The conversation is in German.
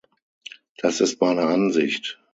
Das ist meine Ansicht.